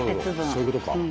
そういうことか。